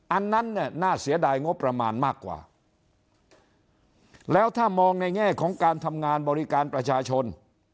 อันนั้นเนี่ยน่าเสียดายงบประมาณมากกว่าแล้วถ้ามองในแง่ของการทำงานบริการประชาชน